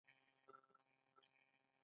دا ژبه نه ده، دا د مینې نغمه ده»